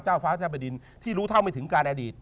ฟ้าเจ้าบดินที่รู้เท่าไม่ถึงการอดีต